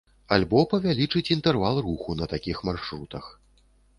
Альбо павялічыць інтэрвал руху на такіх маршрутах.